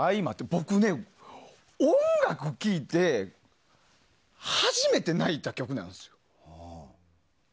僕ね、音楽聴いて初めて泣いた曲なんですよ。